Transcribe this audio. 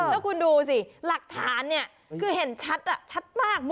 แล้วคุณดูสิหลักฐานเนี่ยคือเห็นชัดชัดมาก